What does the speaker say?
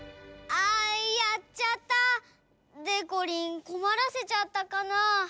あっやっちゃった。でこりんこまらせちゃったかな？